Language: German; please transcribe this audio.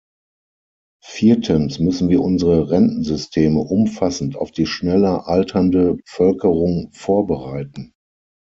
Viertens müssen wir unsere Rentensysteme umfassend auf die schneller alternde Bevölkerung vorbereiten.